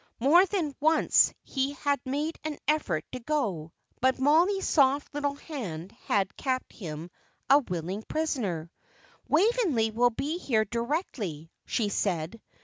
More than once he had made an effort to go, but Mollie's soft little hand had kept him a willing prisoner. "Waveney will be here directly," she said.